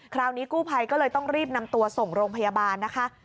คราวนี้กู้ภัยก็เลยต้องรีบนำตัวส่งโรงพยาบาลนะคะ